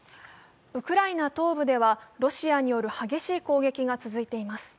ウクライナ東部ではロシアによる激しい攻撃が続いています。